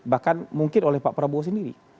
bahkan mungkin oleh pak prabowo sendiri